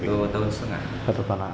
dua tahun setengah